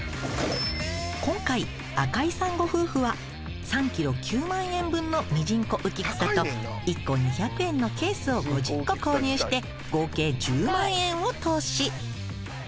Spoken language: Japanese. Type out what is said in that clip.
今回赤井さんご夫婦は３ｋｇ９万円分のミジンコウキクサと１個２００円のケースを５０個購入して合計１０万円を投資。